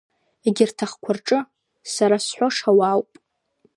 Егьырҭ ахқәа рҿы сара зҳәо ҽа уаауп.